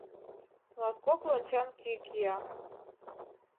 Латкок лончан кӱ кия.